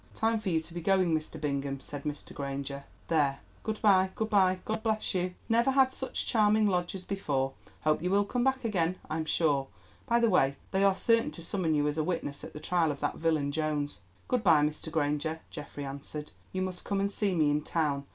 "Time for you to be going, Mr. Bingham," said Mr. Granger. "There, good bye, good bye! God bless you! Never had such charming lodgers before. Hope you will come back again, I'm sure. By the way, they are certain to summon you as a witness at the trial of that villain Jones." "Good bye, Mr. Granger," Geoffrey answered; "you must come and see me in town.